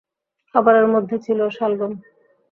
খাবারের মধ্যে ছিল শালগম।